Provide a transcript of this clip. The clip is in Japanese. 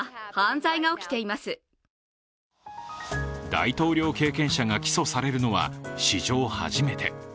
大統領経験者が起訴されるのは史上初めて。